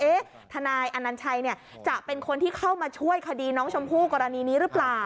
ทนายอนัญชัยจะเป็นคนที่เข้ามาช่วยคดีน้องชมพู่กรณีนี้หรือเปล่า